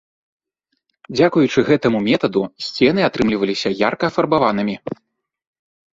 Дзякуючы гэтаму метаду, сцены атрымліваліся ярка афарбаванымі.